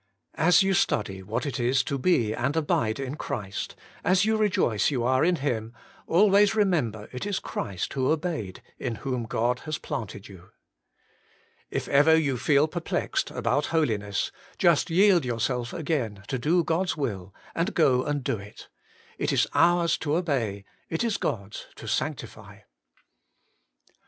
3. As you study what it is to be and abide in Christ, as you rejoice you are in Him, always remember it is Christ who obeyed in whom God has planted you. 4. If ever you feel perplexed about holiness, just yield yourself again to do God's will , and go and do it. It is ours to obey, it is God's to sanctify.